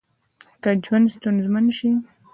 که ژوند ستونزمن شي